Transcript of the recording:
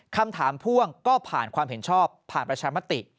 พ่วงก็ผ่านความเห็นชอบผ่านประชามติ